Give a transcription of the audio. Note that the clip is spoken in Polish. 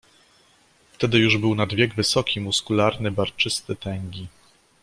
"Wtedy już był nad wiek wysoki, muskularny, barczysty, tęgi."